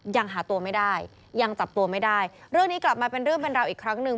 ยังหาตัวไม่ได้ยังจับตัวไม่ได้เรื่องนี้กลับมาเป็นเรื่องเป็นราวอีกครั้งหนึ่ง